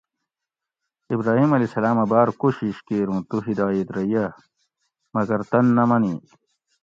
ابراہیم (ع) اۤ بار کوشیش کیر اُوں تو ھدایِت رہ یہ مگر تن نہ منی